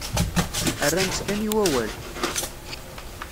Rran-tt kan i wawal.